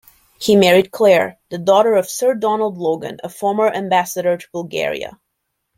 He married Claire, the daughter of Sir Donald Logan, a former ambassador to Bulgaria.